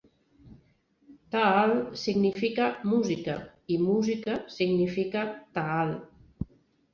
"Taal" significa "música", i "música" significa "Taal".